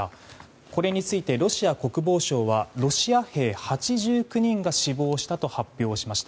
これについて、ロシア国防省はロシア兵８９人が死亡したと発表しました。